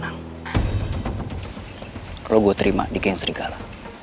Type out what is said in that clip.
kalo gue terima di geng serigala